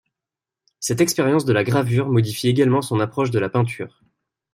Cette expérience de la gravure modifie également son approche de la peinture.